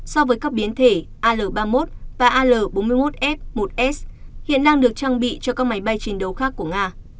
so với các biến thể al ba mươi một và al bốn mươi một f một s hiện đang được trang bị cho các máy bay chiến đấu khác của nga